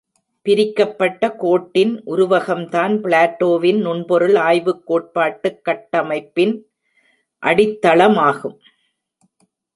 பிரிக்கப்பட்ட கோட்டின் உருவகம்தான் பிளாட்டோவின் நுண்பொருள் ஆய்வுக் கோட்பாட்டுக் கட்டமைப்பின் அடித்தளமாகும்.